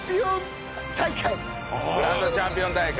グランドチャンピオン大会。